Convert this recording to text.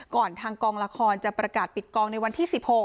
ทางกองละครจะประกาศปิดกองในวันที่๑๖